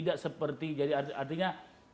tidak seperti artinya